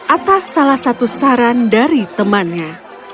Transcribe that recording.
atas salah satu saran dari temannya